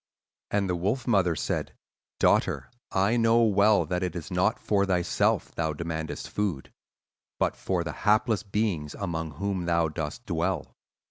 "And the wolf mother said, 'Daughter, I know well that it is not for thyself thou demandest food, but for the helpless beings among whom thou dost dwell.